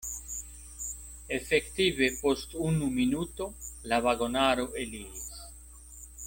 Efektive post unu minuto la vagonaro eliris.